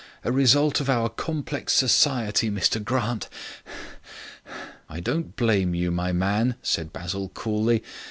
A result of our complex society, Mr Grant." "I don't blame you, my man," said Basil coolly.